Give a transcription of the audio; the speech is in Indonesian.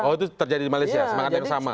oh itu terjadi di malaysia semangat yang sama